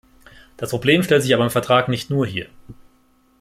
Das Problem stellt sich aber im Vertrag nicht nur hier.